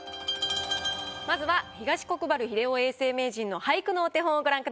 まずは東国原英夫永世名人の俳句のお手本をご覧ください。